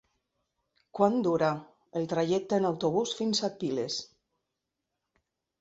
Quant dura el trajecte en autobús fins a Piles?